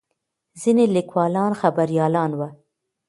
ځینې لیکوالان خبریالان وو.